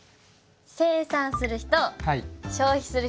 生産する人消費する人。